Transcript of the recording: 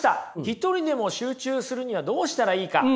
一人でも集中するにはどうしたらいいか。